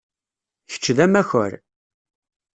Kečč d amakar.